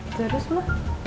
itu ada semua